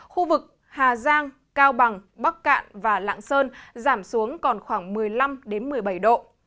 khu vực hà giang cao bằng bắc cạn và lạng sơn giảm xuống còn khoảng một mươi năm một mươi bảy độ